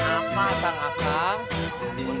ada apa tang ah tang